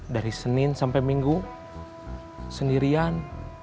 dari senin sampai minggu sendirian